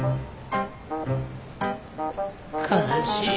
悲しい。